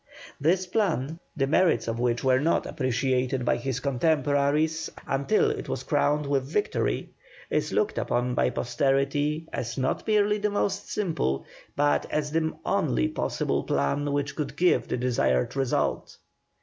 This plan, the merits of which were not appreciated by his contemporaries until it was crowned with victory, is looked upon by posterity as not merely the most simple, but as the only possible plan which could give the desired result.